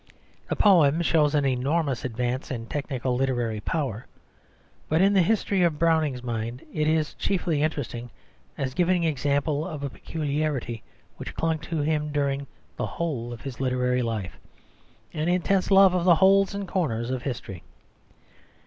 The poem shows an enormous advance in technical literary power; but in the history of Browning's mind it is chiefly interesting as giving an example of a peculiarity which clung to him during the whole of his literary life, an intense love of the holes and corners of history.